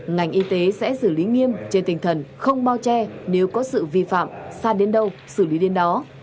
ngành y tế sẽ xử lý nghiêm trên tinh thần không bao che nếu có sự vi phạm xa đến đâu xử lý đến đó